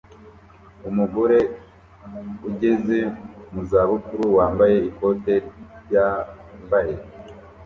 Umugore ugeze mu za bukuru wambaye ikote ryambaye